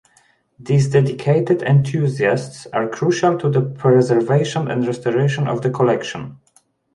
These dedicated enthusiasts are crucial to the preservation and restoration of the collection.